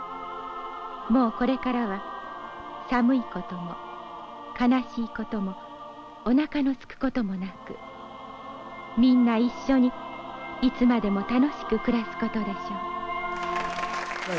「もうこれからは寒いことも悲しいこともおなかのすくこともなくみんな一緒にいつまでも楽しく暮らすことでしょう」